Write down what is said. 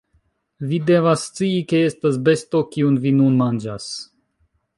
Vi devas scii, ke estas besto, kiun vi nun manĝas